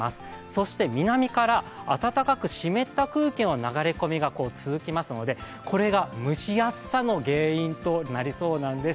そして南から暖かく湿った空気の流れ込みが続きますので、これが蒸し暑さの原因となりそうなんです。